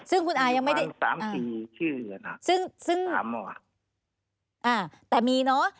ซึ่งคุณอายังไม่ได้อ่าซึ่งอ่าแต่มีเนอะ